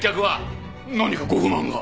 何かご不満が？